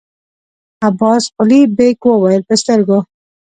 عباس قلي بېګ وويل: په سترګو!